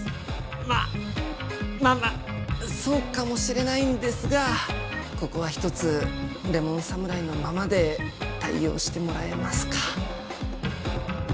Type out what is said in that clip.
まあままあそうかもしれないんですがここはひとつレモン侍のままで対応してもらえますか？